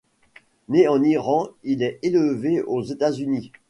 Né en Iran, il est élevé aux États-Unis.